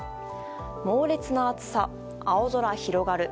猛烈な暑さ、青空広がる。